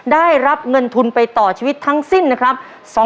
ได้รับเงินทุนไปต่อชีวิตทั้งสิ้นนะครับ